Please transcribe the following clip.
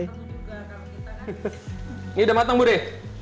ini udah matang budi